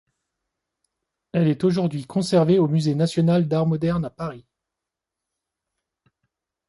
Elle est aujourd'hui conservée au musée national d'Art moderne, à Paris.